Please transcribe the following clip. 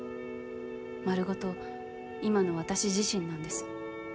丸ごと今の私自身なんです。